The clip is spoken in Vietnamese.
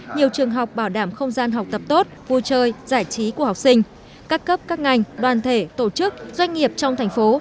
nhiều trường học bảo đảm không gian học tập tốt vui chơi giải trí của học sinh các cấp các ngành đoàn thể tổ chức doanh nghiệp trong thành phố